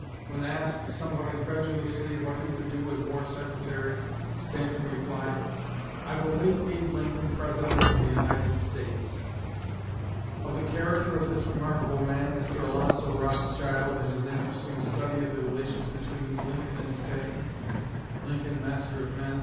When asked, somewhat incredulously, what he would do as War Secretary Stanton replied, "I will make Abe Lincoln President of the United States." Of the character of this remarkable man, Mr. Alonzo Rothschild, in his interesting study of the relations between Lincoln and Stanton ("Lincoln, Master of Men," p.